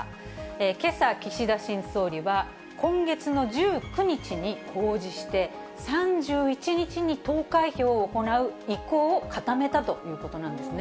けさ、岸田新総理は、今月の１９日に公示して、３１日に投開票を行う意向を固めたということなんですね。